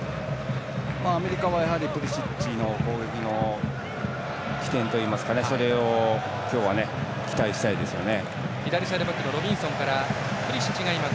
アメリカはやはりプリシッチが攻撃の起点といいますかそれを今日は期待したいですね。